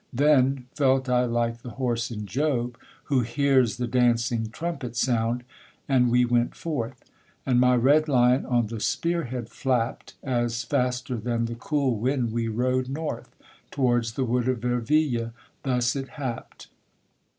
Then felt I like the horse in Job, who hears The dancing trumpet sound, and we went forth; And my red lion on the spear head flapped, As faster than the cool wind we rode north, Towards the wood of Verville; thus it happed.